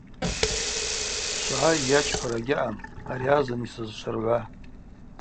Швгӏай, йачпара гьаъам, ари азын йсызшвыргӏва.